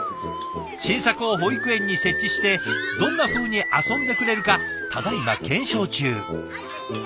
新作を保育園に設置してどんなふうに遊んでくれるかただいま検証中。